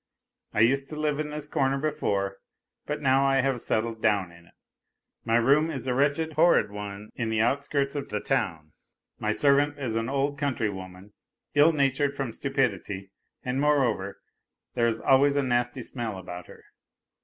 I used to live in tliis corner before, but now I have settled down in it. My room is a wretched, horrid one in the outskirts of the town. My servant is an old country woman, ill natured from stupidity, and, moreover, there is always a nasty smell about her.